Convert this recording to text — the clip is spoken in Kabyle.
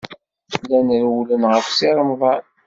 Llan rewwlen ɣef Si Remḍan.